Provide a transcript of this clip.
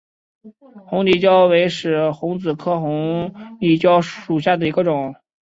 红里蕉为使君子科红里蕉属下的一个种。